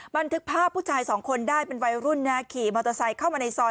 บันทึกภาพผู้ชายสองคนได้เป็นวัยรุ่นนะขี่มอเตอร์ไซค์เข้ามาในซอย